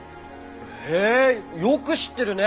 へえよく知ってるね。